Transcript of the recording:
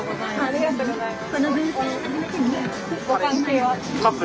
ありがとうございます。